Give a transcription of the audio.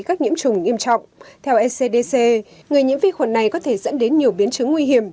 các nhiễm trùng nghiêm trọng theo scdc người nhiễm vi khuẩn này có thể dẫn đến nhiều biến chứng nguy hiểm